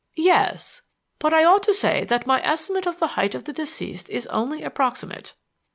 "Yes. But I ought to say that my estimate of the height of the deceased is only approximate."